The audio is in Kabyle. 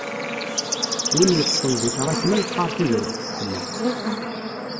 Win yeṭṭsen di tṛakna yeqqar tagrest teḥma